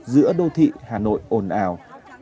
giữa đô thị hà nội ồn ào